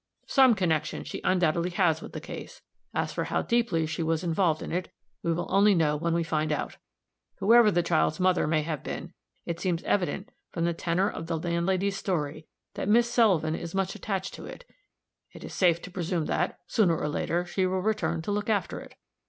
Some connection she undoubtedly has with the case; as for how deeply she was involved in it, we will only know when we find out. Whoever the child's mother may have been, it seems evident, from the tenor of the landlady's story, that Miss Sullivan is much attached to it; it is safe to presume that, sooner or later, she will return to look after it.